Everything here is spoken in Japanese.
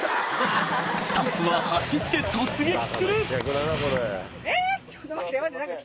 スタッフは走って突撃する！